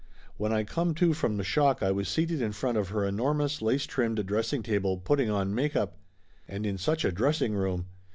When I come to from the shock I was seated in front of her enormous lace trimmed dress ing table, putting on make up. And in such a dressing room